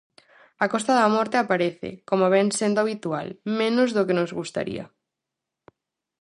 A Costa da Morte aparece, como vén sendo habitual, menos do que nos gustaría.